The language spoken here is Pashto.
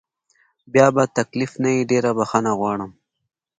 بیا به تکلیف نه وي، ډېره بخښنه غواړم.